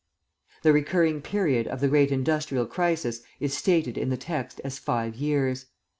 The recurring period of the great industrial crisis is stated in the text as five years.